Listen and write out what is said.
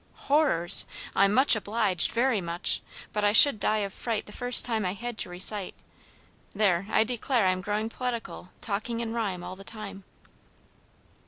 "Horrors! I'm much obliged, very much, but I should die of fright the first time I had to recite. There, I declare I'm growing poetical, talking in rhyme all the time."